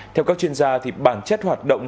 theo các chuyên gia thì bản chất hoạt động